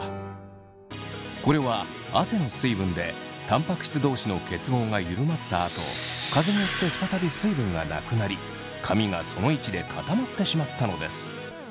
これは汗の水分でタンパク質同士の結合が緩まったあと風によって再び水分がなくなり髪がその位置で固まってしまったのです。